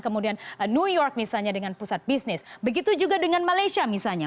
kemudian new york misalnya dengan pusat bisnis begitu juga dengan malaysia misalnya